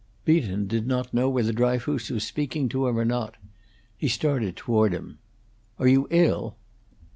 Beaton did not know whether Dryfoos was speaking to him or not. He started toward him. "Are you ill?"